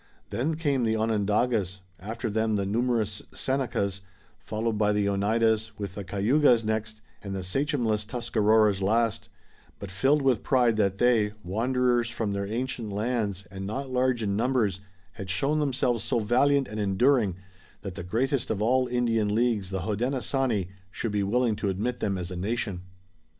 Then came the Onondagas, after them the numerous Senecas, followed by the Oneidas, with the Cayugas next and the sachemless Tuscaroras last, but filled with pride that they, wanderers from their ancient lands, and not large in numbers, had shown themselves so valiant and enduring that the greatest of all Indian leagues, the Hodenosaunee, should be willing to admit them as a nation.